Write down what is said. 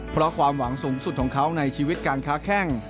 เพราะความหวังสูงสุดของเขาในชีวิตการค้าแข้ง